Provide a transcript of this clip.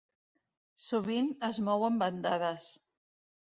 Sovint es mou en bandades.